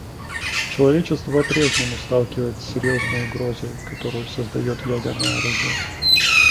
Человечество по-прежнему сталкивается с серьезной угрозой, которую создает ядерное оружие.